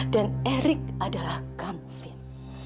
dan erik adalah kamu finn